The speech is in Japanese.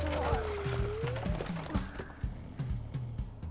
あ。